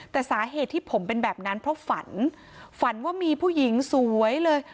แต่สาเหตุที่ผมเป็นแบบนั้นเพราะฝันฝันว่ามีผู้หญิงสวยเลย